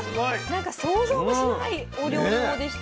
なんか想像もしないお料理法でした。